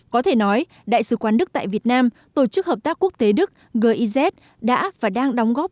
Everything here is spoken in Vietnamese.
có thể nói đại sứ quán đức tại việt nam tổ chức hợp tác quốc tế đức giz đã và đang đóng góp